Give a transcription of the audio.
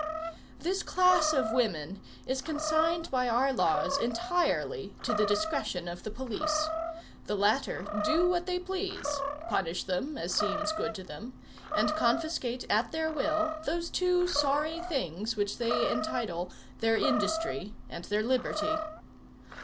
This class of women is consigned by our laws entirely to the discretion of the police. The latter do what they please, punish them, as seems good to them, and confiscate at their will those two sorry things which they entitle their industry and their liberty.